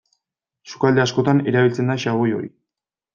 Sukalde askotan erabiltzen da xaboi hori.